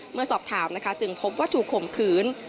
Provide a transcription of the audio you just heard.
เมื่อสอบถามนะคะจึงพบว่าถูกข่มขืน